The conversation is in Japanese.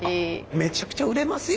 「めちゃくちゃ売れますよ」